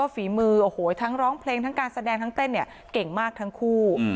ฝีมือโอ้โหทั้งร้องเพลงทั้งการแสดงทั้งเต้นเนี่ยเก่งมากทั้งคู่